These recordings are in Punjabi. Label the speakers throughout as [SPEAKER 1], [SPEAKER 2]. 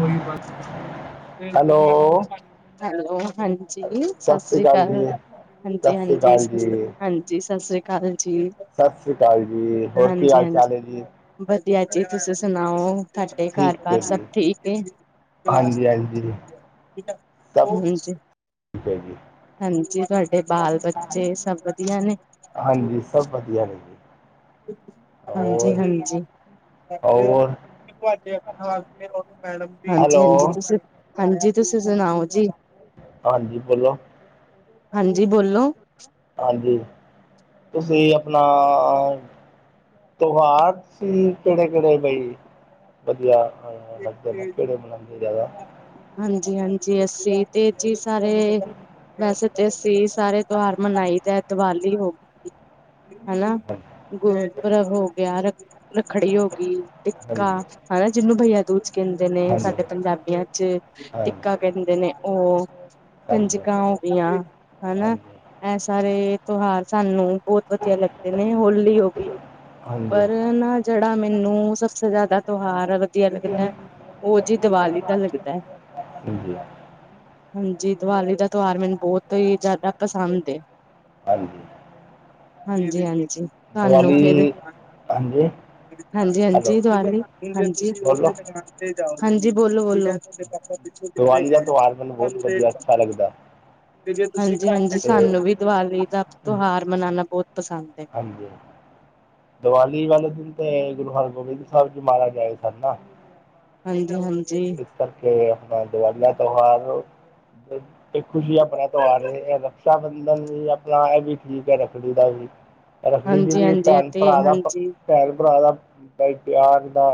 [SPEAKER 1] ਕੋਈ ਬੰਦ
[SPEAKER 2] ਹੈਲੋ
[SPEAKER 1] ਹੈਲੋ ਹਾਂਜੀ ਸਤਿ ਸ੍ਰੀ ਅਕਾਲ ਹਾਂਜੀ
[SPEAKER 2] ਸਤਿ ਸ੍ਰੀ
[SPEAKER 1] ਹਾਂਜੀ
[SPEAKER 2] ਅਕਾਲ
[SPEAKER 1] ਸ
[SPEAKER 2] ਜੀ
[SPEAKER 1] ਹਾਂਜੀ ਸਤਿ ਸ੍ਰੀ ਅਕਾਲ ਜੀ
[SPEAKER 2] ਸਤਿ ਸ੍ਰੀ ਅਕਾਲ ਜੀ ਹੋਰ ਕੀ
[SPEAKER 1] ਹਾਂਜੀ
[SPEAKER 2] ਹਾਲ ਚਾਲ
[SPEAKER 1] ਹਾਂਜੀ
[SPEAKER 2] ਹੈ ਜੀ
[SPEAKER 1] ਵਧੀਆ ਜੀ, ਤੁਸੀਂ ਸੁਣਾਓ, ਤੁਹਾਡੇ ਘਰ
[SPEAKER 2] ਠੀਕ ਹੈ
[SPEAKER 1] ਪਰ
[SPEAKER 2] ਜੀ
[SPEAKER 1] ਠੀਕ ਹੈ?
[SPEAKER 2] ਹਾਂਜੀ ਹਾਂਜੀ ਸਭ ਠੀਕ ਹੈ ਜੀ
[SPEAKER 1] ਤੁਹਾਡੇ ਬਾਲ ਬੱਚੇ, ਸਭ ਵਧੀਆ ਨੇ?
[SPEAKER 2] ਹਾਂਜੀ, ਸਭ ਵਧੀਆ ਨੇ ਜੀ।
[SPEAKER 1] ਹਾਂਜੀ,
[SPEAKER 2] ਹੋਰ
[SPEAKER 1] ਹਾਂਜੀ। ਹਾਂਜੀ
[SPEAKER 2] ਹੋਰ ਹੈਲੋ
[SPEAKER 1] ਹਾਂਜੀ, ਤੁਸੀਂ, ਹਾਂਜੀ ਤੁਸੀਂ ਸੁਣਾਓ ਜੀ?
[SPEAKER 2] ਹਾਂਜੀ, ਬੋਲੋ?
[SPEAKER 1] ਹਾਂਜੀ, ਬੋਲੋ?
[SPEAKER 2] ਹਾਂਜੀ, ਤੁਸੀਂ ਆਪਣਾ ਤੋਹਾਰ ਸਿੰ, ਕਿਹੜੇ ਕਿਹੜੇ ਬਈ ਵਧੀਆ ਲੱਗਦੇ ਨੇ?
[SPEAKER 1] ਹਾਂਜੀ ਹਾਂਜੀ, ਅਸੀਂ ਇਹ ਜੀ ਸਾਰੇ, ਵੈਸੇ ਤੇ ਅਸੀ ਸਾਰੇ, ਤੋਂਹਾਰ ਮਨਾਈ ਦਾ। ਦੀਵਾਲੀ ਹਨਾ ਗੁਰਪੁਰਬ, ਰੱਖੜੀ ਹੋ ਗਈ,
[SPEAKER 2] ਹਾਂਜੀ
[SPEAKER 1] ਟਿਕਾ ਜਿਹਨੂੰ ਦੂਜ ਕਹਿੰਦੇ ਨੇ
[SPEAKER 2] ਹਾਂਜੀ
[SPEAKER 1] ਸਾਡੇ ਪੰਜਾਬੀਆਂ 'ਚ,
[SPEAKER 2] ਹਾਂਜੀ
[SPEAKER 1] ਟਿੱਕਾ ਕਹਿੰਦੇ ਨੇ ਉਹ
[SPEAKER 2] ਹਾਂਜੀ
[SPEAKER 1] ਕੰਜਕਾਂ ਹੋ ਗਈਆਂ, ਹਨਾ।
[SPEAKER 2] ਹਾਂਜੀ
[SPEAKER 1] ਇਹ ਸਾਰੇ, ਤਿਉਹਾਰ ਸਾਨੂੰ ਬਹੁਤ ਵਧੀਆ ਲੱਗਦੇ ਨੇ, ਹੋਲੀ ਹੋ ਗਈ।
[SPEAKER 2] ਹਾਂਜੀ
[SPEAKER 1] ਪਰ ਨਾ ਜਿਹੜਾ, ਮੈਨੂੰ ਸਬਸੇ ਜ਼ਿਆਦਾ ਤਿਉਹਾਰ ਵਧੀਆ ਲੱਗਦਾ ਉਹ ਜਹੀ, ਦੀਵਾਲੀ ਦਾ ਲੱਗਦਾ।
[SPEAKER 2] ਹਾਂਜੀ
[SPEAKER 1] ਹਾਂਜੀ, ਦੀਵਾਲੀ ਦਾ ਤਿਉਹਾਰ ਮੈਨੂੰ ਬਹੁਤ ਹੀ ਜ਼ਿਆਦਾ ਪਸੰਦ ਏ।
[SPEAKER 2] ਹਾਂਜੀ।
[SPEAKER 1] ਹਾਂਜੀ, ਹਾਂਜੀ। ਸਾਨੂੰ
[SPEAKER 2] ਦੀਵਾਲੀ
[SPEAKER 1] ਫਿਰ
[SPEAKER 2] ਹਾਂਜੀ
[SPEAKER 1] ਹਾਂਜੀ,
[SPEAKER 2] ਹੈਲੋ
[SPEAKER 1] ਹਾਂਜੀ ਦਿਵਾਲੀ ਹਾਂਜੀ।
[SPEAKER 2] ਬੋਲੋ
[SPEAKER 1] ਹਾਂਜੀ ਬੋਲੋ, ਬੋਲੋ।
[SPEAKER 2] ਦੀਵਾਲੀ ਦਾ ਤਿਉਹਾਰ ਮੈਨੂੰ ਬਹੁਤ ਵਧੀਆ, ਅੱਛਾ ਲੱਗਦਾ।
[SPEAKER 1] ਹਾਂਜੀ, ਹਾਂਜੀ
[SPEAKER 2] ਤੇ
[SPEAKER 1] ਸਾਨੂੰ ਵੀ ਦੀਵਾਲੀ ਦਾ ਤਿਉਹਾਰ ਮਨਾਣਾ ਬਹੁਤ ਪਸੰਦ ਏ਼।
[SPEAKER 2] ਹਾਂਜੀ। ਦੀਵਾਲੀ ਵਾਲੇ ਦਿਨ ਤੇ, ਗੁਰੂ ਹਰਗੋਬਿੰਦ ਸਾਹਿਬ ਜੀ ਮਾਹਰਾਜ ਆਏ ਸਨ ਨਾ।
[SPEAKER 1] ਹਾਂਜੀ, ਹਾਂਜੀ।
[SPEAKER 2] ਕਰਕੇ ਆਪਣਾ ਦੀਵਾਲੀ ਦਾ ਤਿਉਹਾਰ, ਇੱਕ ਖੁਸ਼ੀ ਆਪਣਾ ਤਿਉਹਾਰ ਹੈ ਰਕਸ਼ਾ ਬੰਧਨ ਵੀ, ਆਪਣਾ ਇਹ ਵੀ ਠੀਕ ਹੈ ਰੱਖੜੀ ਦਾ ਵੀ ਰੱਖੜੀ ਜੀ ਵੀ
[SPEAKER 1] ਹਾਂਜੀ-ਹਾਂਜੀ
[SPEAKER 2] ਭੈਣ
[SPEAKER 1] ਅਤੇ
[SPEAKER 2] ਭਰਾ ਦਾ,
[SPEAKER 1] ਹਾਂਜੀ,
[SPEAKER 2] ਭੈਣ ਭਰਾ ਦਾ ਪਿਆਰ ਦਾ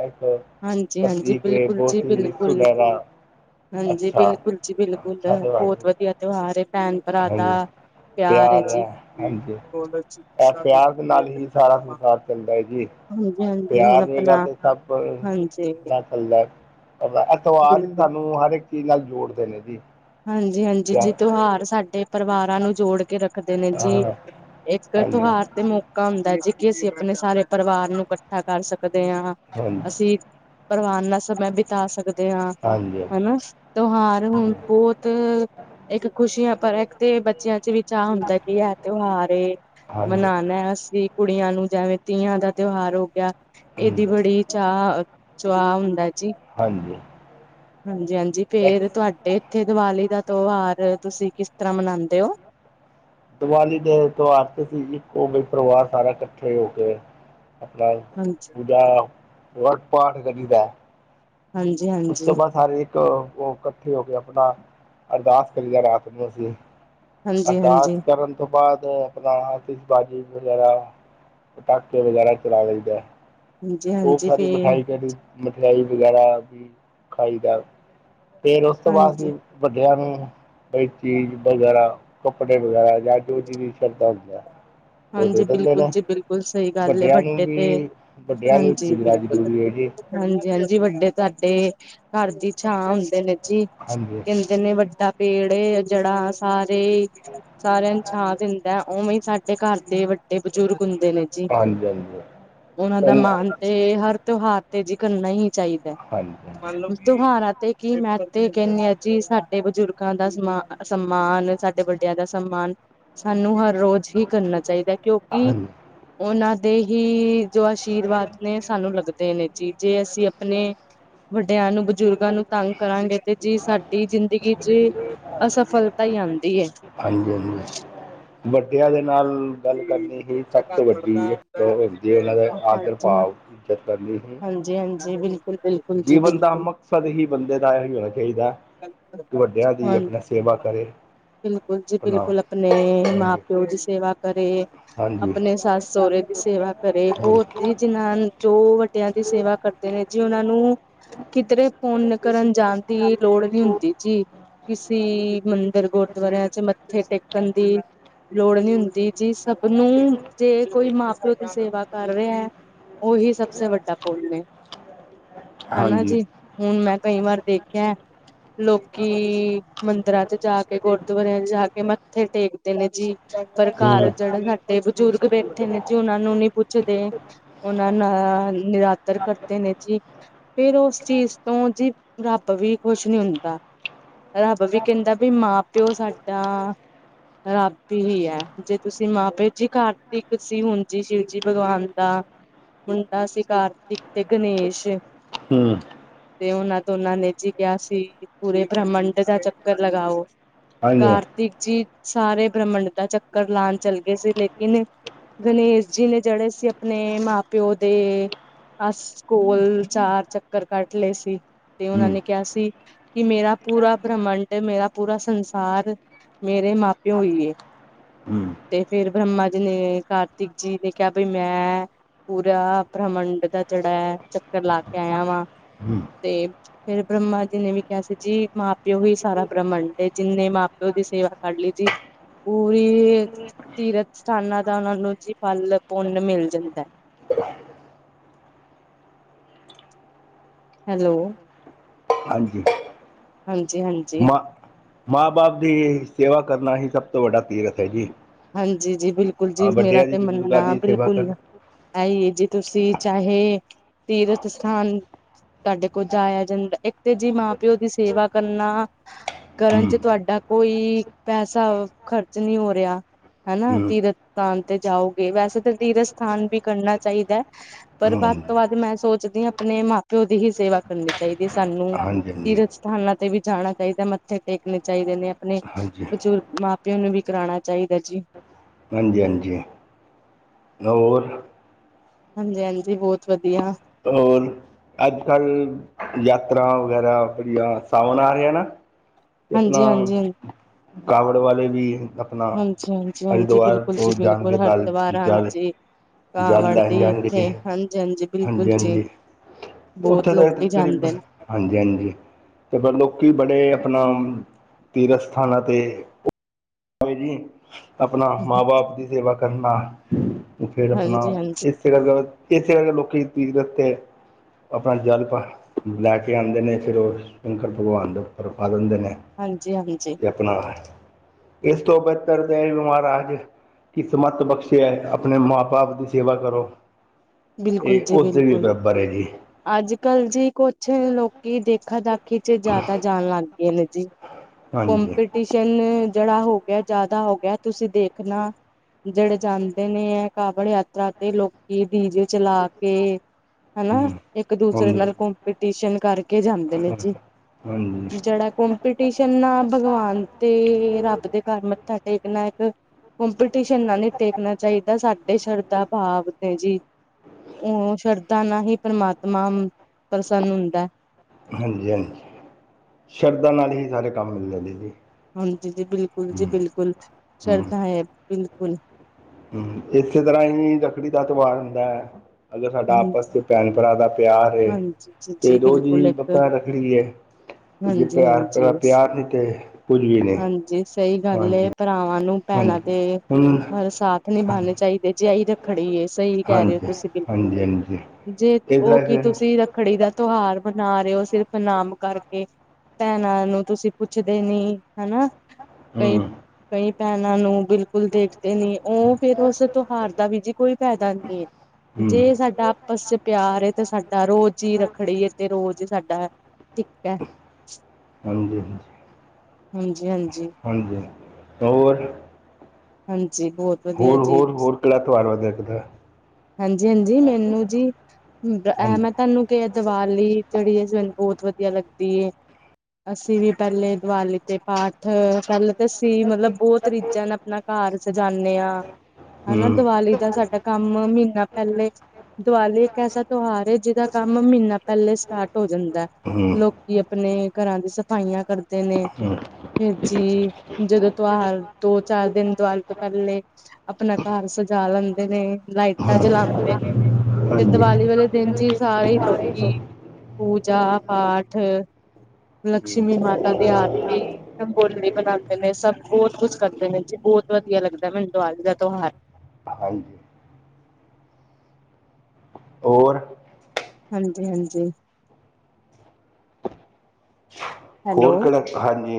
[SPEAKER 1] ਹਾਂਜੀ, ਹਾਂਜੀ
[SPEAKER 2] ਪ੍ਰਤੀਕ ਹੈ
[SPEAKER 1] ਬਿਲਕੁਲ ਜੀ,
[SPEAKER 2] ਬਹੁਤ ਹੀ
[SPEAKER 1] ਬਿਲਕੁਲ।
[SPEAKER 2] ਸੁਨਹਿਰਾ
[SPEAKER 1] ਹਾਂਜੀ
[SPEAKER 2] ਅੱਛਾ
[SPEAKER 1] ਬਿਲਕੁਲ ਜੀ ਬਿਲਕੁਲ,
[SPEAKER 2] ਛੱਤ ਵਾ ਕੇ
[SPEAKER 1] ਬਹੁਤ ਵਧੀਆ ਤਿਉਹਾਰ ਏ ਭੈਣ ਭਰਾ ਦਾ।
[SPEAKER 2] ਹਾਂਜੀ
[SPEAKER 1] ਪਿਆਰ ਏ ਜੀ।
[SPEAKER 2] ਹੈ ਹਾਂਜੀ ਇਹ ਪਿਆਰ ਦੇ ਨਾਲ ਹੀ ਸਾਰਾ ਸੰਸਾਰ ਚੱਲਦਾ ਹੈ ਜੀ
[SPEAKER 1] ਹਾਂਜੀ, ਹਾਂਜੀ ਹੁਣ
[SPEAKER 2] ਪਿਆਰ
[SPEAKER 1] ਆਪਣਾ, ਹਾਂਜੀ।
[SPEAKER 2] ਮਤਲਬ, ਤਉਹਾਰ
[SPEAKER 1] ਬਿਲਕੁਲ
[SPEAKER 2] ਸਾਨੂੰ ਹਰ ਇੱਕ ਚੀਜ਼ ਨਾਲ ਜੋੜਦੇ ਨੇ ਜੀ।
[SPEAKER 1] ਹਾਂਜੀ, ਹਾਂਜੀ ਜੀ
[SPEAKER 2] ਪਿਆਰ
[SPEAKER 1] ਤਿਉਹਾਰ ਸਾਡੇ ਪਰਿਵਾਰਾਂ ਨੂੰ ਜੋੜ ਕੇ ਰੱਖ ਰਖਦੇ ਨੇ ਜੀ, ਇੱਕ
[SPEAKER 2] ਹਾਂਜੀ
[SPEAKER 1] ਤਿਉਹਾਰ ਤੇ ਮੌਕਾ ਹੁੰਦਾ ਜੀ ਕਿ ਅਸੀਂ ਆਪਣੇ ਸਾਰੇ ਪਰਿਵਾਰ ਨੂੰ ਇਕੱਠਾ ਕਰ ਸਕਦੇ ਹਾਂ,
[SPEAKER 2] ਹਾਂਜੀ
[SPEAKER 1] ਅਸੀਂ ਪਰਿਵਾਰ ਨਾਲ ਸਮਾਂ ਬਿਤਾ ਸਕਦੇ ਤੇ ਹਾਂ
[SPEAKER 2] ਹਾਂਜੀ ਹਾਂਜੀ
[SPEAKER 1] ਹਨਾ, ਤਿਉਹਾਰ ਹੁਣ ਬਹੁਤ ਇੱਕ ਖੁਸ਼ੀਆਂ, ਪਰ ਇੱਕ ਤੇ ਬੱਚਿਆਂ 'ਚ ਵੀ ਚਾਅ ਹੁੰਦਾ ਕਿ ਇਹ ਤਿਉਹਾਰ ਏ
[SPEAKER 2] ਹਾਂਜੀ
[SPEAKER 1] ਮਨਾਉਣਾ ਅਸੀਂ, ਕੁੜੀਆਂ ਨੂੰ ਜਿਵੇਂ ਤੀਆਂ ਦਾ ਤਿਉਹਾਰ ਹੋ ਗਿਆ ਇਹਦੀ ਬੜੀ ਚਾਹ, ਚਾਹ ਹੁੰਦਾ ਜੀ।
[SPEAKER 2] ਹਾਂਜੀ।
[SPEAKER 1] ਹਾਂਜੀ, ਹਾਂਜੀ ਫੇਰ ਤੁਹਾਡੇ ਇੱਥੇ ਦੀਵਾਲੀ ਦਾ ਤਿਉਹਾਰ, ਤੁਸੀਂ ਕਿਸ ਤਰ੍ਹਾਂ ਮਨਾਉਂਦੇ ਹੋ?
[SPEAKER 2] ਦੀਵਾਲੀ ਦੇ ਤਿਉਹਾਰ ਅਸੀਂ ਜੀ, ਇੱਕੋ ਬਈ ਪਰਿਵਾਰ ਸਾਰਾ ਇਕੱਠੇ ਹੋ ਕੇ ਆਪਣਾ
[SPEAKER 1] ਹਾਂਜੀ।
[SPEAKER 2] [unintelligible] ਪਾਠ ਕੱਰੀਦਾ।
[SPEAKER 1] ਹਾਂਜੀ, ਹਾਂਜੀ।
[SPEAKER 2] ਉਸ ਤੋਂ ਬਾਅਦ, ਸਾਰੇ ਇੱਕ ਉਹ ਇਕੱਠੇ ਹੋ ਕੇ ਆਪਣਾ ਅਰਦਾਸ ਕਰੀਦਾ ਰਾਤ ਨੂੰ ਅਸੀਂ
[SPEAKER 1] ਹਾਂਜੀ
[SPEAKER 2] ਅਰਦਾਸ
[SPEAKER 1] ਹਾਂਜੀ
[SPEAKER 2] ਕਰਨ ਤੋਂ ਬਾਅਦ, ਆਪਣਾ ਆਤਿਸ਼ਬਾਜੀ ਵਗੈਰਾ ਪਟਾਕੇ ਵਗੈਰਾ ਚਲਾ ਲਈਦਾ,
[SPEAKER 1] ਹਾਂਜੀ
[SPEAKER 2] ਖੂਬ
[SPEAKER 1] ਹਾਂਜੀ ਫੇ
[SPEAKER 2] ਸਾਰੀ ਮਿਠਾਈ ਜਿਹੜੀ ਮਠਿਆਈ ਵਗੈਰਾ ਵੀ ਖਾਈਦਾ, ਫੇਰ ਉਸ ਤੋਂ ਬਾਅਦ
[SPEAKER 1] ਹਾਂਜੀ
[SPEAKER 2] ਵੀ ਵੱਡਿਆਂ ਨੂੰ ਬਈ ਚੀਜ਼ ਵਗੈਰਾ, ਕੱਪੜੇ ਵਗੈਰਾ ਜਾਂ ਜੋ ਚੀ ਦੀ ਸ਼ਰਧਾ ਹੁੰਦੀਆ। ਉਹ ਦੇ
[SPEAKER 1] ਹਾਂਜੀ
[SPEAKER 2] ਦਿੰਦੇ
[SPEAKER 1] ਬਿਲਕੁਲ
[SPEAKER 2] ਨੇ,
[SPEAKER 1] ਜੀ ਬਿਲਕੁਲ ਸਹੀ ਗੱਲ ਏ
[SPEAKER 2] ਵੱਡਿਆਂ ਨੂੰ
[SPEAKER 1] ਵੱਡੇ ਤੇ
[SPEAKER 2] ਵੀ, ਵੱਡਿਆਂ ਨੂੰ ਵੀ ਪੁੱਜਣਾ ਜਰੂਰੀ ਹੈ ਜੀ।
[SPEAKER 1] ਹਾਂਜੀ-ਹਾਂਜੀ, ਵੱਡੇ ਤੁਹਾਡੇ ਘਰ ਦੀ ਛਾਂ ਹੁੰਦੇ ਨੇ ਜੀ।
[SPEAKER 2] ਹਾਂਜੀ
[SPEAKER 1] ਜਿੰਨੇ ਵੱਡਾ ਪੇੜ ਏ, ਜਿਹੜਾ ਸਾਰੇ ਸਾਰਿਆਂ ਨੂੰ ਛਾਂ ਦਿੰਦਾ ਉਵੇਂ ਸਾਡੇ ਦੇ ਘਰ ਦੇ ਵੱਡੇ ਬਜ਼ੁਰਗ ਹੁੰਦੇ ਨੇ ਜੀ।
[SPEAKER 2] ਹਾਂਜੀ ਹਾਂਜੀ
[SPEAKER 1] ਉਹਨਾਂ ਦਾ
[SPEAKER 2] ਪਹਿਲਾਂ
[SPEAKER 1] ਮਾਨ ਤੇ, ਹਰ ਤਿਉਹਾਰ ਤੇ ਜੀ ਕਰਨਾ ਹੀ ਚਾਹੀਦਾ।
[SPEAKER 2] ਹਾਂਜੀ
[SPEAKER 1] ਤਉਹਾਰਾ ਤੇ ਕੀ ਮੈਂ ਤੇ ਕਹਿੰਦੀ ਆ ਜੀ, ਸਾਡੇ ਬਜ਼ੁਰਗਾਂ ਦਾ ਸਮਾਨ-ਸਮਾਨ, ਸਾਡੇ ਵੱਡਿਆਂ ਦਾ ਸਮਾਨ ਸਾਨੂੰ ਹਰ ਰੋਜ਼ ਹੀ ਕਰਨਾ ਚਾਹੀਦਾ, ਕਿਉਂਕਿ
[SPEAKER 2] ਹਾਂਜੀ
[SPEAKER 1] ਉਹਨਾਂ ਦੇ ਹੀ ਜੋ ਆਸ਼ੀਰਵਾਦ ਨੇ ਸਾਨੂੰ ਲੱਗਦੇ ਨੇ ਜੀ, ਜੇ ਅਸੀਂ ਆਪਣੇ ਵੱਡਿਆਂ ਨੂੰ ਬਜ਼ੁਰਗਾਂ ਨੂੰ ਤੰਗ ਕਰਾਂਗੇ ਤੇ ਜੀ ਸਾਡੀ ਜ਼ਿੰਦਗੀ ਚ ਅਸਫਲਤਾ ਹੀ ਆਉਂਦੀ ਹੈ।
[SPEAKER 2] ਹਾਂਜੀ-ਹਾਂਜੀ, ਵੱਡਿਆ ਦੇ ਨਾਲ ਗੱਲ ਕਰਨੀ ਹੀ ਸਭ ਤੋਂ ਵੱਡੀ ਇੱਕ ਹੁੰਦੀ, ਉਹਨਾਂ ਦਾ
[SPEAKER 1] ਹਾਂਜੀ
[SPEAKER 2] ਆਦਰ ਭਾਵ
[SPEAKER 1] ਹਾਂਜੀ
[SPEAKER 2] ਇੱਜ਼ਤ ਕਰਨੀ ਹੀ।
[SPEAKER 1] ਜੀ ਹਾਂਜੀ-ਹਾਂਜੀ, ਬਿਲਕੁਲ। ਬਿਲਕੁਲ
[SPEAKER 2] ਜੀਵਨ ਦਾ ਮਕਸਦ ਹੀ, ਬੰਦੇ ਦਾ ਇਹੀ ਹੋਣਾ ਚਾਹੀਦਾ। ਵੱਡਿਆਂ ਦੀ
[SPEAKER 1] ਹਾਂ
[SPEAKER 2] ਆਪਣਾ ਸੇਵਾ ਕਰੇ।
[SPEAKER 1] ਬਿਲਕੁਲ ਜੀ
[SPEAKER 2] ਆਪਣਾ
[SPEAKER 1] ਬਿਲਕੁਲ, ਆਪਣੇ ਮਾਂ ਪਿਓ ਦੀ ਸੇਵਾ ਕਰੇ।
[SPEAKER 2] ਹਾਂਜੀ
[SPEAKER 1] ਆਪਣੇ ਸੱਸ ਸਹੁਰੇ ਦੀ ਸੇਵਾ ਕਰੇ, ਬਹੁ
[SPEAKER 2] ਹਾਂਜੀ
[SPEAKER 1] ਜੀ ਜਿਨ੍ਹਾਂ ਜੋ ਵੱਡਿਆਂ ਦੀ ਸੇਵਾ ਕਰ ਨੇ ਜੀ ਉਹਨਾਂ ਨੂੰ, ਕਿਧਰੇ ਪੁੰਨ ਕਰਨ ਜਾਣ ਦੀ ਲੋੜ ਨਹੀਂ ਹੁੰਦੀ ਜੀ। ਕਿਸੀ ਮੰਦਿਰ, ਗੁਰਦੁਆਰਿਆਂ ਚ ਮੱਥੇ ਟੇਕਣ ਦੀ ਲੋੜ ਨਹੀਂ ਹੁੰਦੀ ਜੀ, ਸਭ ਨੂੰ ਜੇ ਕੋਈ ਮਾਂ ਪਿਓ ਦੀ ਸੇਵਾ ਕਰ ਰਿਹਾ ਹੈ ਉਹੀ ਸਭਸੇ ਵੱਡਾ ਪੁਨ ਹੈ, ਹਨਾ
[SPEAKER 2] ਹਾਂਜੀ
[SPEAKER 1] ਜੀ। ਹੁਣ ਮੈਂ ਕਈ ਵਾਰ ਦੇਖਿਆ! ਲੋਕੀ ਮੰਦਿਰਾਂ ਚ ਜਾ ਕੇ, ਗੁਰਦੁਆਰਿਆਂ ਚ ਜਾ ਕੇ, ਮੱਥੇ ਟੇਕਦੇ ਨੇ ਜੀ। ਪਰ ਘਰ
[SPEAKER 2] ਹੂੰ
[SPEAKER 1] ਜਿਹੜੇ ਸਾਡੇ ਬਜ਼ੁਰਗ ਬੈਠੇ ਨੇ, ਜੀ ਉਹਨਾਂ ਨੂੰ ਨੀ ਪੁੱਛਦੇ। ਉਹਨਾਂ ਨ ਨਿਰਾਦਰ ਕਰਦੇ ਨੇ ਜੀ, ਫੇਰ ਉਸ ਚੀਜ਼ ਤੋਂ ਜੀ ਰੱਬ ਵੀ ਖੁਸ਼ ਨੀ ਹੁੰਦਾ, ਰੱਬ ਵੀ ਕਹਿੰਦਾ, ਮਾਂ ਪਿਓ ਸਾਡਾ ਰੱਬ ਹੀ ਹੈ, [unintelligible] ਜੇ ਤੁਸੀਂ ਮਾਂ ਪਿਓ ਜੀ ਕਰਦੇ ਸੀ ਹੁਣ ਜੀ ਸ਼ਿਵ ਜੀ ਭਗਵਾਨ ਦਾ ਮੁੰਡਾ ਸੀ, ਕਾਰਤਿਕ ਤੇ ਗਣੇਸ਼।
[SPEAKER 2] ਹੂੰ
[SPEAKER 1] ਤੇ ਉਹਨਾਂ ਦੋਨਾਂ ਨੇ ਜੀ ਕਿਹਾ ਸੀ, ਪੂਰੇ ਬ੍ਰਹਮੰਡ ਦਾ ਚੱਕਰ ਲਗਾਓ।
[SPEAKER 2] ਹਾਂਜੀ
[SPEAKER 1] ਕਾਰਤਿਕ ਜੀ ਸਾਰੇ ਬ੍ਰਾਹਮੰਡ ਦਾ ਚੱਕਰ ਲਾਉਣ ਚੱਲ ਗਏ ਸੀ, ਲੇਕਿਨ ਗਣੇਸ਼ ਜੀ ਨੇ ਜਿਹੜੇ ਸੀ ਆਪਣੇ ਮਾਂ ਪਿਓ ਦੇ ਅਸ ਕੋਲ ਚਾਰ ਚੱਕਰ ਕੱਟ ਲਏ ਸੀ, ਤੇ ਉਹਨਾਂ
[SPEAKER 2] ਹੂੰ
[SPEAKER 1] ਨੇ ਕਿਹਾ ਸੀ ਕਿ ਮੇਰਾ ਪੂਰਾ ਬ੍ਰਮੰਡ ਏ, ਮੇਰਾ ਪੂਰਾ ਸੰਸਾਰ। ਰੇ ਮਾਂ ਪਿਓ ਈ ਏ।
[SPEAKER 2] ਹੂੰ
[SPEAKER 1] ਤੇ ਫੇਰ ਬ੍ਰਹਮਾ ਜੀ ਨੇ ਕਾਰਤਿਕ ਜੀ ਨੇ ਕਿਆ ਬਈ ਮੈਂ ਪੂਰਾ ਬ੍ਰਮੰਡ ਦਾ ਜਿਹੜਾ ਐ ਚੱਕਰ ਲਾ ਕੇ ਆਇਆ ਵਾਂ
[SPEAKER 2] ਹੂੰ
[SPEAKER 1] ਤੇ ਫੇਰ ਬ੍ਰਹਮਾ ਜੀ ਨੇ ਵੀ ਕਿਆ ਸੀ ਜੀ ਮਾਂ ਪਿਓ ਹੀ ਸਾਰਾ ਬ੍ਰਾਹਮੰਡ ਏ, ਜਿੰਨੇ ਮਾਂ ਪਿਓ ਦੀ ਸੇਵਾ ਕਰ ਲਈ ਜੀ। ਪੂਰੀ ਤੀਰਥ ਸਥਾਨਾਂ ਦਾ ਉਹਨਾ ਨੂੰ ਜੀ ਫਲ, ਪੁੰਨ ਮਿਲ ਜਾਂਦਾ।
[SPEAKER 2] [inaudible]
[SPEAKER 1] ਹੈਲੋ
[SPEAKER 2] ਹਾਂਜੀ।
[SPEAKER 1] ਹਾਂਜੀ, ਹਾਂਜੀ।
[SPEAKER 2] ਮਾਂ ਮਾਂ ਬਾਪ ਦੀ ਸੇਵਾ ਕਰਨਾ ਹੀ ਸਭ ਤੋਂ ਵੱਡਾ ਤੀਰਥ ਐ ਜੀ।
[SPEAKER 1] ਹਾਂਜੀ ਜੀ ਬਿਲਕੁਲ ਜੀ, ਮੇਰਾ
[SPEAKER 2] ਵੱਡਿਆਂ ਦੀ
[SPEAKER 1] ਤੇ
[SPEAKER 2] ਬਜ਼ੁਰਗਾਂ
[SPEAKER 1] ਮੰਨਣਾ
[SPEAKER 2] ਦੀ ਸੇਵਾ
[SPEAKER 1] ਬਿਲਕੁਲ।
[SPEAKER 2] ਕਰਨਾ
[SPEAKER 1] ਆਈ ਜੇ ਤੁਸੀਂ ਚਾਹੇ ਤੀਰਥ ਸਥਾਨ ਤਾਡੇ ਕੋਲ ਜਾਇਆ ਜਾਂਦਾ ਇੱਕ ਤੇ ਜੀ ਮਾਂ ਪਿਓ ਦੀ ਸੇਵਾ ਕਰਨਾ ਕਰਨ ਚ
[SPEAKER 2] ਹੂੰ
[SPEAKER 1] ਤੁਆਡਾ ਕੋਈ ਪੈਸਾ ਖ਼ਰਚ ਨਈਂ ਹੋ ਰਿਆ। ਹਨਾਂ
[SPEAKER 2] ਹਮ,
[SPEAKER 1] ਤੀਰਥ ਸਥਾਨ ਤੇ ਜਾਓਗੇ ਵੈਸੇ ਤਾਂ ਤੀਰਥ ਸਥਾਨ ਵੀ ਕਰਨਾ ਚਾਈਦਾ। ਪਰ ਵੱਧ
[SPEAKER 2] ਹਮ।
[SPEAKER 1] ਤੋਂ ਵੱਧ ਮੈਂ ਸੋਚਦੀ ਆਂ ਆਪਣੇ ਮਾਂ-ਪਿਓ ਦੀ ਹੀ ਸੇਵਾ ਕਰਨੀ ਚਾਈਦੀ ਸਾਨੂੰ।
[SPEAKER 2] ਹਾਂਜੀ ਹਾਂਜੀ
[SPEAKER 1] ਤੀਰਥ ਸਥਾਨਾਂ ਤੇ ਵੀ ਜਾਣਾ ਚਾਈਦਾ, ਮੱਥੇ ਟੇਕਣੇ ਚਾਈਦੇ ਨੇ ਅਪਣੇ।
[SPEAKER 2] ਹਾਂਜੀ
[SPEAKER 1] ਬਜ਼ੁਰਗ ਮਾਂ-ਪਿਓ ਨੂੰ ਵੀ ਕਰਾਉਣਾ ਚਾਈਦਾ ਜੀ।
[SPEAKER 2] ਹਾਂਜੀ, ਹਾਂਜੀ। ਹੋਰ?
[SPEAKER 1] ਹਾਂਜੀ, ਹਾਂਜੀ ਬਹੁਤ ਵਧੀਆ।
[SPEAKER 2] ਹੋਰ। ਅੱਜ-ਕੱਲ੍ਹ ਯਾਤਰਾ ਵਗੈਰਾ ਵੜੀਆਂ ਸਾਵਨ ਆ ਗਿਆ ਨਾ। ਤੇ ਅਪਣਾ
[SPEAKER 1] ਹਾਂਜੀ ਹਾਂਜੀ ਹਾਂਜੀ
[SPEAKER 2] ਕਾਵੜ ਵਾਲੇ ਵੀ ਅਪਣਾ
[SPEAKER 1] ਹਾਂਜੀ ਹਾਂਜੀ ਹਾਂਜੀ
[SPEAKER 2] ਹਰਿਦੁਵਾਰ
[SPEAKER 1] ਬਿਲਕੁਲ ਜੀ
[SPEAKER 2] ਤੋਂ ਜਾਣ
[SPEAKER 1] ਬਿਲਕੁਲ
[SPEAKER 2] ਕਲ
[SPEAKER 1] ਹਰਿਦੁਆਰ
[SPEAKER 2] ਜਲ
[SPEAKER 1] ਹਾਂਜੀ
[SPEAKER 2] ਜੱਲ
[SPEAKER 1] ਕਾਵੜ
[SPEAKER 2] ਲੈਣ
[SPEAKER 1] ਦੀ
[SPEAKER 2] ਜਾਣਗੇ ਤੇ
[SPEAKER 1] ਇੱਥੇ ਹਾਂਜੀ ਬਿਲਕੁਲ
[SPEAKER 2] ਹਾਂਜੀ,
[SPEAKER 1] ਜੀ
[SPEAKER 2] ਹਾਂਜੀ।
[SPEAKER 1] ਬਹੁਤ
[SPEAKER 2] ਉੱਥੇ ਦੇਅ
[SPEAKER 1] ਲੋਕੀ ਜਾਂਦੇ
[SPEAKER 2] ਤਕਰੀਬਨ ਹਾਂਜੀ ਹਾਂਜੀ ਤੇ ਫਿਰ ਲੋਕੀ ਬੜੇ ਅਪਣਾ ਤੀਰਥ ਸਥਾਨਾਂ ਤੇ [unintelligible] ਜੀ ਆਪਣਾ
[SPEAKER 1] ਨੇ
[SPEAKER 2] ਮਾਂ-ਬਾਪ ਦੀ ਸੇਵਾ ਕਰਨਾ ਤੇ ਫਿਰ ਆਪਣਾ
[SPEAKER 1] ਹਾਂਜੀ ਹਾਂਜੀ
[SPEAKER 2] ਇਸ ਫਿਰ ਅਗਰ ਇਸੇ ਕਰਕੇ ਲੋਕੀ ਤੀਰਥ ਤੇ ਆਪਣਾ ਜਲ ਪਾਅ ਲੈ ਕੇ ਆਂਦੇ ਨੇ ਫਿਰ ਉਹ ਸ਼ੰਕਰ ਭਗਵਾਨ ਦੇ ਉੱਪਰ ਪਾ ਦਿੰਦੇ ਨੇ।
[SPEAKER 1] ਹਾਂਜੀ ਹਾਂਜੀ।
[SPEAKER 2] [unintelligible] ਹੈ। ਇਸ ਤੋਂ ਬਿਹਤਰ ਤੇ ਵੀ ਮਹਾਰਾਜ ਕਿਸ ਮੱਤ ਬਖਸ਼ਿਆ ਏ, ਆਪਣੇ ਮਾਂ-ਬਾਪ ਦੀ ਸੇਵਾ ਕਰੋ। ਇਹ ਉਸ ਦਿਨ [unintelligible] ਬਰੈਗੀ।
[SPEAKER 1] ਅੱਜ-ਕੱਲ ਜੀ ਕੁਛ ਨੇ ਲੋਕੀ, ਦੇਖਾ-ਦਾਖੀ ਚ ਜ਼ਿਆਦਾ ਜਾਣ ਲੱਗ ਗਏ ਨੇ ਜੀ।
[SPEAKER 2] ਹਾਂਜੀ
[SPEAKER 1] ਕੋਂਪੀਟੀਸ਼ਨ ਜੇੜਾ ਹੋ ਗਿਆ, ਜ਼ਿਆਦਾ ਹੋ ਗਿਆ ਤੁਸੀਂ ਦੇਖਣਾ। ਜੇੜ੍ਹੇ ਜਾਂਦੇ ਨੇ ਇਹ ਕਾਵੜ ਯਾਤਰਾ ਤੇ ਲੋਕੀ ਡੀਜੇ ਚਲਾ ਕੇ ਹਨਾਂ?
[SPEAKER 2] ਹਮ
[SPEAKER 1] ਇੱਕ ਦੂਸਰੇ
[SPEAKER 2] ਹੁਣ
[SPEAKER 1] ਨਾਲ ਕੋਂਪੀਟੀਸ਼ਨ ਕਰਕੇ ਜਾਂਦੇ ਨੇ
[SPEAKER 2] ਹਾਂਜੀ
[SPEAKER 1] ਜੀ। ਜੇੜ੍ਹਾ ਕੋਂਮ ਪੀਟੀਸ਼ਨ ਨਾਂ ਭਗਵਾਨ ਤੇ ਰੱਬ ਦੇ ਘਰ ਮੱਥਾ ਟੇਕਣਾ ਇੱਕ ਕੋਂਪੀਟੀਸ਼ਨ ਨਾਲ ਨੀਂ ਟੇਕਣਾ ਚਾਈਦਾ ਸੱਤ ਤੇ ਸ਼ਰਧਾ ਭਾਵ ਤੇ ਜੀ। ਉਂ ਸ਼ਰਧਾ ਨਾਲ ਹੀ ਪ੍ਰਮਾਤਮਾ ਮਨ ਪ੍ਰਸੰਨ ਹੁੰਦਾ।
[SPEAKER 2] ਹਾਂਜੀ-ਹਾਂਜੀ ਸ਼ਰਧਾ ਨਾਲ ਈ ਸਾਰੇ ਕੰਮ ਹੋ ਜਾਂਦੇ ਜੀ।
[SPEAKER 1] ਹਾਂਜੀ ਜੀ ਬਿਲਕੁਲ ਜੀ
[SPEAKER 2] ਹਮ
[SPEAKER 1] ਬਿਲਕੁਲ ਸ਼ਰਧਾ ਹੈ ਬਿਲਕੁਲ।
[SPEAKER 2] ਹ ਏਸੇ ਤਰ੍ਹਾਂ ਹੀ ਰੱਖੜੀ ਦਾ ਤੁਆਰ ਹੁੰਦਾ ਐ ਅਗਰ ਸਾਡਾ ਆਪਸ
[SPEAKER 1] ਹਾਂਜੀ
[SPEAKER 2] ਚ ਭੈਣ ਭਰਾ ਦਾ ਪ ਪਿਆਰ ਏ
[SPEAKER 1] ਹਾਂਜੀ ਜੀ ਬਿਲਕੁਲ ਇੱਕ
[SPEAKER 2] [unintelligible] ਰੱਖੜੀ ਐ ਤੇ ਜੇ
[SPEAKER 1] ਹਾਂਜੀ
[SPEAKER 2] ਪਿਆਰ
[SPEAKER 1] ਹਾਂਜੀ
[SPEAKER 2] ਪ ਪਿਆਰ ਨੀ ਤੇ ਕੁੱਝ ਵੀ ਨਈਂ,
[SPEAKER 1] ਹਾਂਜੀ ਸਹੀ ਗੱਲ ਏ
[SPEAKER 2] ਹਾਂਜੀ।
[SPEAKER 1] ਭਰਾਵਾਂ ਨੂੰ
[SPEAKER 2] ਹਾਂਜੀ
[SPEAKER 1] ਭੈਣਾਂ ਦੇ
[SPEAKER 2] ਹੁਣ
[SPEAKER 1] ਹਰ ਸਾਥ
[SPEAKER 2] ਹਾਂਜੀ
[SPEAKER 1] ਨੀਬਾਣੇ ਚਾਈਦੇ ਜੇਹੀ ਰੱਖੜੀ ਏ ਸਈ ਕੈ ਰਹੇ
[SPEAKER 2] ਹਾਂਜੀ
[SPEAKER 1] ਤੁਸੀਂ ਬਿਲਕੁਲ।
[SPEAKER 2] ਹਾਂਜੀ
[SPEAKER 1] ਜੇ
[SPEAKER 2] ਇਸ ਤਰ੍ਹਾਂ
[SPEAKER 1] ਓਕੀ
[SPEAKER 2] ਫਿਰ
[SPEAKER 1] ਤੁਸੀਂ ਰੱਖੜੀ ਦਾ ਤੁਆਰ ਮਨਾ ਰਏ ਓ ਸਿਰਫ ਨਾਮ ਕਰਕੇ ਭੈਣਾਂ ਨੂੰ ਤੁਸੀਂ ਪੁੱਛਦੇ ਨੀ ਹਨਾ ਕਈ
[SPEAKER 2] ਹਮ
[SPEAKER 1] ਕਈ ਭੈਣਾਂ ਨੂੰ ਬਿਲ ਕੁਲ ਦੇਖਦੇ ਨੀ ਓ ਫੇਰ ਓਸ ਤੁਹਾਰ ਦਾ ਵੀ ਜੀ ਕੋਈ ਫੈਦਾ ਨੀ
[SPEAKER 2] ਹਮ
[SPEAKER 1] ਜੇ ਸਾਡਾ ਆਪਸ ਪਿਆਰ ਏ ਤੇ ਸਾਡਾ ਰੋਜ਼ ਈ ਰੱਖੜੀ ਏ ਤੇ ਰੋਜ਼ ਸਾਡਾ, ਟੀਕਾਐ।
[SPEAKER 2] ਹਾਂਜੀ।
[SPEAKER 1] ਹਾਂਜੀ-ਹਾਂਜੀ।
[SPEAKER 2] ਹਾਂਜੀ, ਹੋਰ?
[SPEAKER 1] ਹਾਂਜੀ ਬੋ
[SPEAKER 2] ਹੋਰ-ਹੋਰ-ਹੋਰ [unintelligible]
[SPEAKER 1] ਹਾਂਜੀ-ਹਾਂਜੀ ਮੈਨੂੰ ਜੀਐ
[SPEAKER 2] ਹਾਂਜੀ
[SPEAKER 1] ਮੈਂ ਤੁਆਨੂੰ ਕੇ ਦੀਵਾਲੀ ਜੇੜੀ ਐ ਸਾਨੂੰ ਬਹੁਤ ਵਧੀਆ ਲੱਗਦੀ ਏ, ਅਸੀਂ ਵੀ ਪੈਲੇ ਦੀਵਾਲੀ ਤੇ ਪਾਠ ਪੈਲੇ ਅਸੀਂ ਮਤਲਬ ਬਹੁਤ ਰੀਝਾਂ ਨਾਲ ਆਪਣਾ ਘਰ ਸਜਾਨੇ ਆ,
[SPEAKER 2] ਹੂੰ
[SPEAKER 1] ਹਨਾ
[SPEAKER 2] ਹੂੰ
[SPEAKER 1] ਦੀਵਾਲੀ ਦਾ ਸਾਡਾ ਕੰਮ ਮੀਨਾ ਪੈਲੇ ਦੀਵਾਲੀ ਇੱਕ ਐਸਾ ਤੁਆਰ ਏ ਜੀਦਾ ਕੰਮ ਮੀਨਾ ਪੈਲੇ ਸਟਾਟ ਹੋ ਜਾਂਦੈ।
[SPEAKER 2] ਹੂੰ
[SPEAKER 1] ਲੋਕੀ ਆਪਣੇ ਘਰਾਂ ਦੀ ਸਫਾਈਆਂ ਕਰ ਦੇ ਨੇ,
[SPEAKER 2] ਹੂੰ।
[SPEAKER 1] ਫਿਰ ਜੀ ਜਦੋਂ ਤੁਆਰ ਦੋ ਚਾਰ ਦੇਨ ਦੀਵਾਲ ਤੋਂ ਪੈਲੇ, ਆਪਣਾ ਘਰ ਸਜਾ ਲੈਂਦੇ ਨੇ ਲਾਈ ਟਾਂ ਚਲਾਂਦੇ ਨੇ ਫੀਰ
[SPEAKER 2] ਹਾਂਜੀ
[SPEAKER 1] ਦੀਵਾਲੀ ਵਾਲੇ ਦੇਨ ਜੀ ਸਾਰੇ ਈ
[SPEAKER 2] ਹੂੰ।
[SPEAKER 1] ਲੋਕੀ ਪੂਜਾ-ਪਾਠ ਲਕਸ਼ਮੀ ਮਾਤਾ ਦੀ ਆਰਤੀ ਰੰਗੋਲੀ ਬਣਾਂਦੇ ਨੇ ਸਭ ਬੋਤ ਕੁਛ ਕਰਦੇ ਨੇ ਜੀ ਬੋਤ ਵਧੀਆ ਲੱਗਦਾ ਮੈਨੂੰ ਦੀਵਾਲੇ ਦਾ ਤੁਹਾਰ।
[SPEAKER 2] ਹਾਂਜੀ। ਹੋਰ?
[SPEAKER 1] ਹਾਂਜੀ-ਹਾਂਜੀ।
[SPEAKER 2] ਹੋਰ
[SPEAKER 1] ਹੈਲੋ
[SPEAKER 2] ਕੇੜਾ ਹਾਂਜੀ,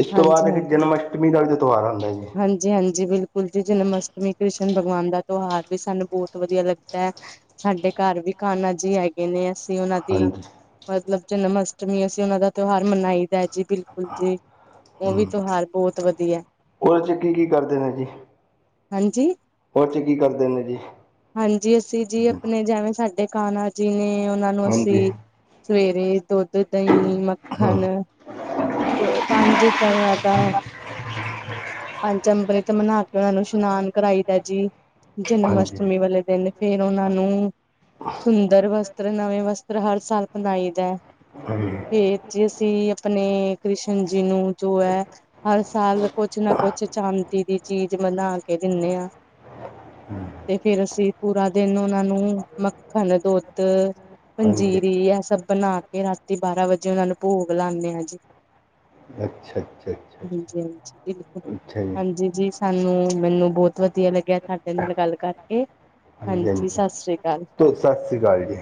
[SPEAKER 2] ਏਸ ਤੋਂ
[SPEAKER 1] ਹਾਂਜੀ
[SPEAKER 2] ਬਾਦ ਇੱਕ ਜਨਮ ਅਸ਼ਟਮੀ ਦਾ ਵੀ ਤੁਆਰ ਆਦਾ ਜੀ।
[SPEAKER 1] ਹਾਂਜੀ-ਹਾਂਜੀ ਬੇਲਕੁਲ ਜੀ ਜਨਮ ਅਸ਼ਟਮੀ ਕ੍ਰਿਸ਼ਨ ਭਗਵਾਨ ਦਾ ਤੁਹਾਰ ਵੀ ਸਾਨੂੰ ਬਹੁਤ ਵਧੀਆ ਲੱਗਦਾ ਐ ਸਾਡੇ ਘਰ ਵੀ ਖਾਣਾ ਜੀ ਆ ਨੇ ਅਸੀਂ ਓਨਾਂ ਦੀ,
[SPEAKER 2] ਹਾਂਜੀ
[SPEAKER 1] ਮਤਲਵ ਜਨਮ ਅਸ਼ਟਮੀ ਅਸੀਂ ਓਨਾਂ ਦਾ ਤਿਉਹਾਰ ਮਨਾਈ ਦਾ ਜੀ ਬਿਲਕੁਲ ਜੀ ਓ ਵੀ
[SPEAKER 2] ਹੂੰ
[SPEAKER 1] ਤੁਹਾਰ ਬੋਤ ਵਧੀਆ।
[SPEAKER 2] ਉਹਦੇ ਚ ਕੀ-ਕੀ ਕਰਦੇ ਨੇ ਜੀ?
[SPEAKER 1] ਹਾਂਜੀ,
[SPEAKER 2] ਉਹਦੇ ਚ ਕੀ ਕਰਦੇ ਨੇ ਜੀ
[SPEAKER 1] ਹਾਂਜੀ ਅਸੀਂ ਜੀ ਆਪਣੇ ਜੈਵੇਂ ਸਾ ਡੇ ਕਣਾ ਜੀ ਨੇ ਓਨਾਂ ਨੂੰ
[SPEAKER 2] ਹਾਂਜੀ
[SPEAKER 1] ਅਸੀਂ ਸਵੇਰੇ ਦੁੱਧ ਦਹੀਂ
[SPEAKER 2] ਹੂੰ
[SPEAKER 1] ਮੱਖਣ ਪੰਜ ਤਰਾ ਦਾ ਪੰਜ ਅੰਬਰੀ ਤੇ ਮਨਾ ਕੇ ਓਨਾਂ ਨੂੰ ਇਸ਼ਨਾਨ ਕਰਾਈ ਦਾ ਜੀ ਜਨਮ
[SPEAKER 2] ਹਾਂਜੀ
[SPEAKER 1] ਅਸ਼ਟਮੀ ਵਾਲੇ ਦਿਨ ਫੇਰ ਓਨਾਂ ਨੂੰ ਸੁੰਦਰ ਵਸਤਰ ਨਵੇਂ ਵਸਤਰ ਹਰ ਸਾਲ ਪਨਾਈ ਦਾਐ।
[SPEAKER 2] ਹਜੀ।
[SPEAKER 1] ਫੇਰ ਜੇ ਅਸੀਂ ਆਪਣੇ ਕ੍ਰਿਸ਼ਨ ਜੀ ਨੂੰ ਜੋ ਐ ਹਰ ਸਾਲ ਕੁਛ ਨਾ ਕੁਛ ਚਾਦੀ ਦੀ ਚੀਜ਼ ਬਣਾ ਕੇ ਦੇਂਦੇ ਆਂ।
[SPEAKER 2] ਹਮ,
[SPEAKER 1] ਤੇ ਫੇਰ ਅਸੀਂ ਪੂਰਾ ਦਿਨ ਓਨਾਂ ਨੂੰ ਮੱਖਨ, ਦੁੱਦ
[SPEAKER 2] ਹਾਂਜੀ
[SPEAKER 1] ਪੰਜੀਰੀ ਐ ਸਬ ਬਨਾ ਕੇ ਰਾਤੀ ਬਾਰਾਂ ਵਜੇ ਓਨਾਂ ਨੂੰ ਭੋਗ ਲਾਂਦੇ ਆ ਜੀ।
[SPEAKER 2] ਅੱਛਾ-ਅੱਛਾ-ਅੱਛਾ।
[SPEAKER 1] ਹਾਂਜੀ-ਹਾਂਜੀ। ਬਿਲਕੁਲ, ਹਾਂਜੀ ਜੀ-ਜੀ ਸਾਨੂੰ ਮੈਨੂੰ ਬੋਤ ਵਦੀਆ ਲੱਗੇਆ ਤਾਡੇ ਨਾਲ ਗੱਲ ਕਰਕੇ। ਹਾਂਜੀ ਸਸ ਰੀ ਕਾਲ।
[SPEAKER 2] ਸਸ ਰੀ ਕਾਲ ਜੀ।